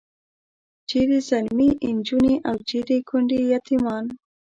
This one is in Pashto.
چیرې ځلمي نجونې او چیرې کونډې یتیمان.